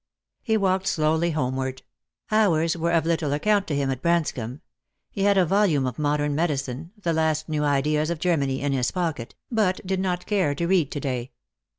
He walked slowly homeward. Hours were of little account to him at Branscomb. He had a volume of modern medicine — the last new ideas of Germany — in his pocket, but did not care to read to day.